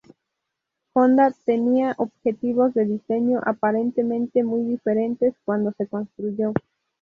Honda tenía objetivos de diseño aparentemente muy diferentes cuando se construyó.